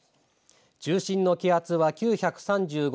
中心の気圧は９３５